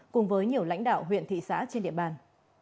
cùng với nhiều lãnh đạo huyện thị xã trên địa bàn